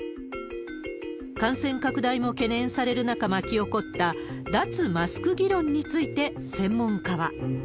感染拡大も懸念される中巻き起こった、脱マスク議論について専門家は。